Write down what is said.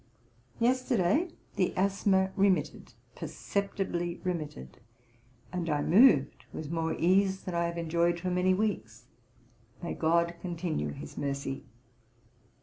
Yesterday the asthma remitted, perceptibly remitted, and I moved with more ease than I have enjoyed for many weeks. May GOD continue his mercy.